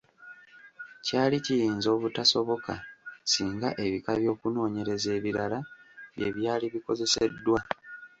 Kyali kiyinza obutasoboka singa ebika by’okunoonyereza ebirala bye byali bikozeseddwa.